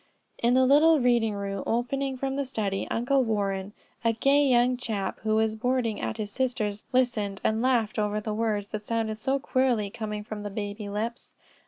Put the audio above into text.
In the little reading room opening from the study, Uncle Warren, a gay young chap who was boarding at his sister's, listened and laughed over the words that sounded so queerly, coming from the baby lips.